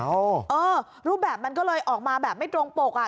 เออรูปแบบมันก็เลยออกมาแบบไม่ตรงปกอ่ะ